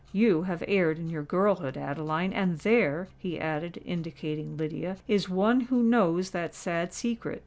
You have erred in your girlhood, Adeline! and there," he added, indicating Lydia, "is one who knows that sad secret.